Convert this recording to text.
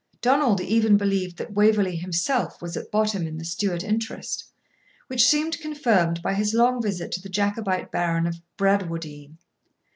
Donald even believed that Waverley himself was at bottom in the Stuart interest, which seemed confirmed by his long visit to the Jacobite Baron of Bradwardine.